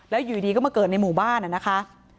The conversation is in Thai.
แล้วอยู่ดีก็มาเกิดในหมู่บ้านนะคะ